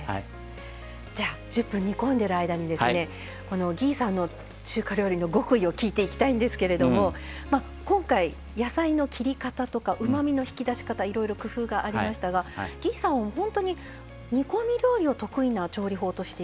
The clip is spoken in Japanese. じゃあ１０分煮込んでる間に魏さんの中華料理の極意を聞いていきたいんですけれども今回野菜の切り方とかうまみの引き出し方いろいろ工夫がありましたが魏さんは本当に煮込み料理を得意な調理法としているそうですね。